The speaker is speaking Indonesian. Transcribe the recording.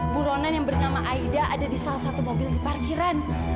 buronan yang bernama aida ada di salah satu mobil di parkiran